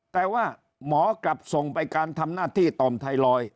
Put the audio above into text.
แต่ว่าหมอกลับส่งไปการทำหน้าที่ต่อมไทรอยด์